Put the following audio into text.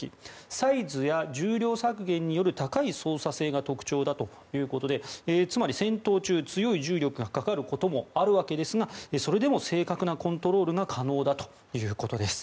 サイズや重量削減による高い操作性が特長ということでつまり、戦闘中、強い重力がかかることもありますがそれでも正確なコントロールが可能だということです。